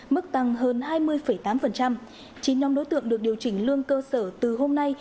mức tăng hơn hai mươi tám chín nhóm đối tượng được điều chỉnh lương cơ sở từ hôm nay